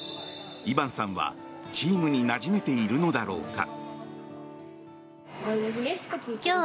イバンさんはチームになじめているのだろうか。